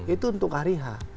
itu untuk hari h